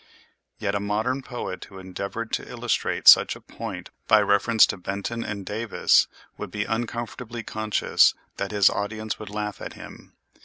Yet a modern poet who endeavored to illustrate such a point by reference to Benton and Davis would be uncomfortably conscious that his audience would laugh at him.